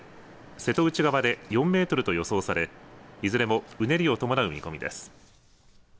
瀬戸内側で４メートルと予想されいずれもうねりを伴う見込みです。